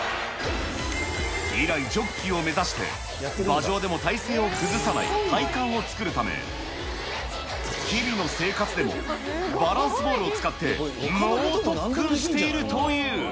以来、ジョッキーを目指して、馬上でも体勢を崩さない体幹を作るため、日々の生活でも、バランスボールを使って、猛特訓しているという。